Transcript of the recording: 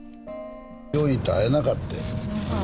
病院行ったら会えなかってん。